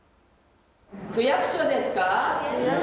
区役所ですか。